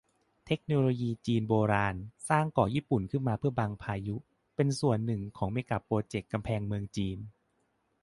เทคโนโลยีจีนยุคโบราณ สร้างเกาะญี่ปุ่นขึ้นมาเพื่อบังพายุ เป็นส่วนหนึ่งของเมกะโปรเจกต์กำแพงเมืองจีน